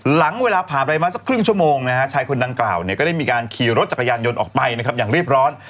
หลังเวลาผ่านไปมาสักครึ่งชั่วโมงนะฮะชายคนดังกล่าวเนี่ยก็ได้มีการขี่รถจักรยานยนต์ออกไปนะครับอย่างรีบร้อน